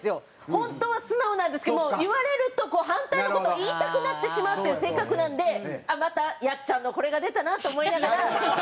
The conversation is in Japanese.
本当は素直なんですけど言われるとこう反対の事を言いたくなってしまうっていう性格なんでまたやっちゃんのこれが出たなと思いながら。